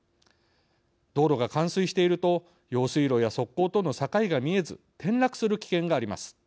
道路が冠水していると用水路や側溝との境が見えず転落する危険があります。